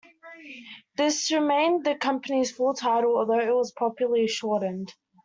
This remained the company's full title, although it was popularly shortened.